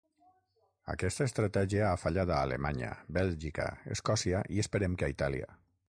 Aquesta estratègia ha fallat a Alemanya, Bèlgica, Escòcia i esperem que a Itàlia.